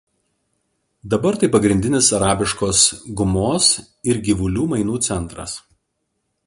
Dabar tai pagrindinis arabiškos gumos ir gyvulių mainų centras.